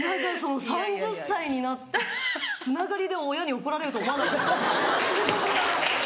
３０歳になってつながりで親に怒られると思わなかったから。